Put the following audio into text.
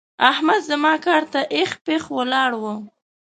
احمد زما کار ته اېښ پېښ ولاړ وو.